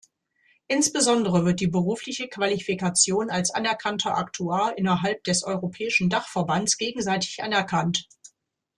Insbesondere wird die berufliche Qualifikation als Anerkannter Aktuar innerhalb des europäischen Dachverbands gegenseitig anerkannt.